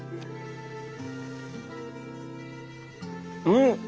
うん！